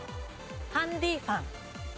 ハンディーファン。